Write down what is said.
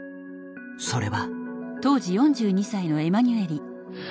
それは。